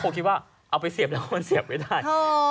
ผมคิดว่าเอาไปเสียบแล้วมันเสียบไม่ได้